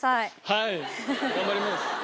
はい頑張ります。